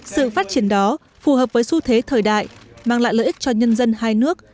sự phát triển đó phù hợp với xu thế thời đại mang lại lợi ích cho nhân dân hai nước